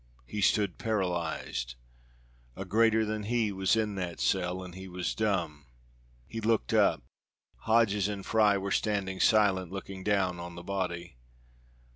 He stood paralyzed. A greater than he was in that cell, and he was dumb. He looked up Hodges and Fry were standing silent, looking down on the body.